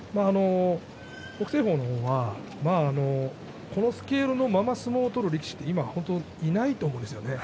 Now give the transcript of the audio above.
北青鵬の方は、このスケールのまま相撲を取る力士って今本当にいないと思うんですよね。